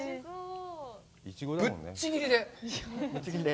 ぶっちぎりで。